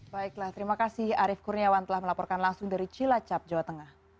baiklah terima kasih arief kurniawan telah melaporkan langsung dari cilacap jawa tengah